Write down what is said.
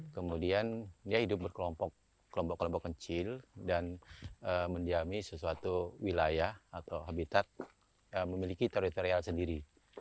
kemudian dia hidup berkelompok kelompok kelompok kecil dan mendiami sesuatu wilayah atau habitat memiliki teritorial sendiri